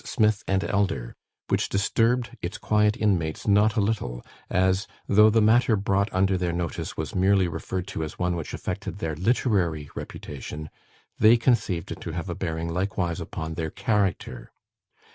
Smith and Elder, which disturbed its quiet inmates not a little, as, though the matter brought under their notice was merely referred to as one which affected their literary reputation, they conceived it to have a bearing likewise upon their character.